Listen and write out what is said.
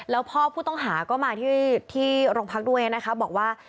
แล้วพ่อผู้ต้องหาก็มาที่โรงพักด้วยนะคะบอกว่า